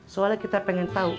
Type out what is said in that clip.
soalnya kita pengen tahu